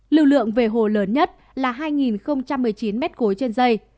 lưu lượng về hồ lớn nhất là hai một mươi chín m ba trên dây